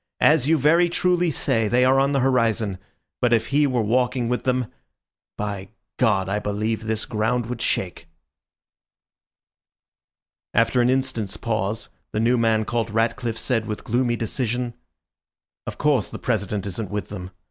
"As you very truly say, they are on the horizon; but if he were walking with them... by God! I believe this ground would shake." After an instant's pause the new man called Ratcliffe said with gloomy decision— "Of course the President isn't with them.